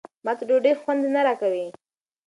ما ته ډوډۍ خوند نه راکوي.